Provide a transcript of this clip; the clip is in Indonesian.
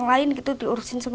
karena tidak pihak se sabar